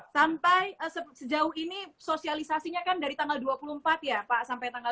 sampai sejauh ini sosialisasinya kan dari tanggal dua puluh empat ya pak sampai tanggal dua puluh